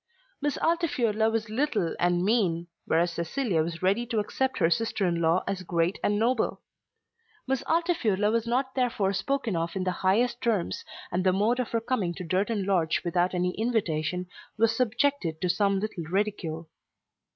Miss Altifiorla was little and mean, whereas Cecilia was ready to accept her sister in law as great and noble. Miss Altifiorla was not therefore spoken of in the highest terms, and the mode of her coming to Durton Lodge without an invitation was subjected to some little ridicule.